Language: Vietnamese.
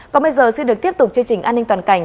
còn bây giờ xin được tiếp tục chương trình an ninh toàn cảnh